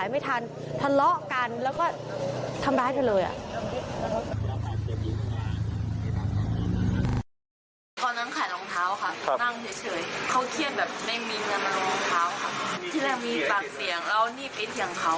แล้วมันก็กระเด็น